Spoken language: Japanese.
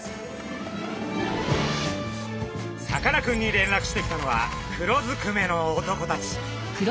さかなクンに連絡してきたのは黒ずくめの男たち。